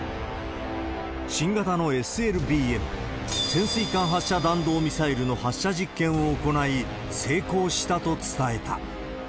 新型のＳＬＢＭ・潜水艦発射弾道ミサイルの発射実験を行い、成功したと伝えた。